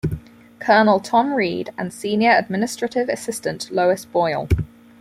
Colonel Tom Reid and Senior Administrative Assistant Lois Boyle.